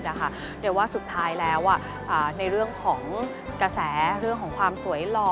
เดี๋ยวว่าสุดท้ายแล้วในเรื่องของกระแสเรื่องของความสวยหล่อ